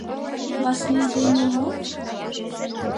Васлий дене мо?..